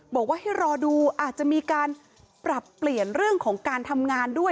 บอกว่าให้รอดูอาจจะมีการปรับเปลี่ยนเรื่องของการทำงานด้วย